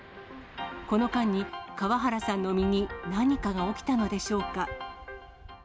この間に、川原さんの身に何かが起きたのでしょうか。